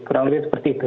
kurang lebih seperti itu